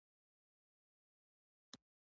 بې محمده ص دايمي ملګري نه وو چېرته